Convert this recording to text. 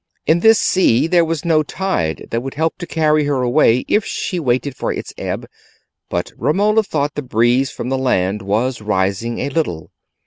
In this sea there was no tide that would help to carry her away if she waited for its ebb; but Romola thought the breeze from the land was rising a little.